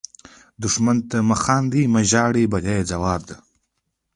دښمن ته مه خاندئ، مه وژاړئ – بریا یې ځواب ده